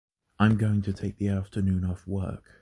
I’m going to take the afternoon off work.